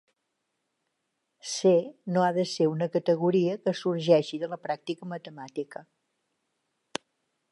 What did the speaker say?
"C" no ha de ser una categoria que sorgeixi de la pràctica matemàtica.